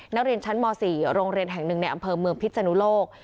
นักเรียนชั้นม๔โรงเรียนแห่งหนึ่งในอำเภอเมืองพิษนุโลก